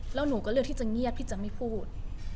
แล้วหนูก็เลือกที่จะเงียบพี่จะไม่พูด